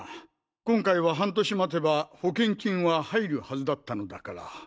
今回は半年待てば保険金は入るはずだったのだから。